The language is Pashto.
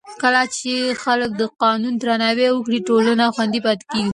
کله چې خلک د قانون درناوی وکړي، ټولنه خوندي پاتې کېږي.